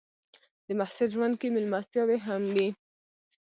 د محصل ژوند کې مېلمستیاوې هم وي.